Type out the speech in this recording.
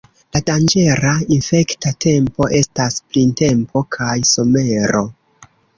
La danĝera infekta tempo estas printempo kaj somero.